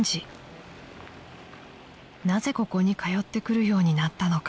［なぜここに通ってくるようになったのか？］